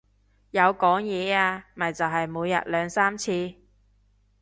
有講嘢啊，咪就係每日兩三次